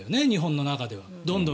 日本の中では。